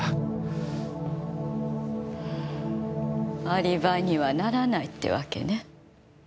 アリバイにはならないってわけね。